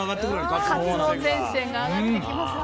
かつお前線が上がってきます。